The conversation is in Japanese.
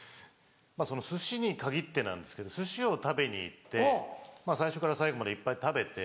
まぁ寿司に限ってなんですけど寿司を食べに行ってまぁ最初から最後までいっぱい食べて。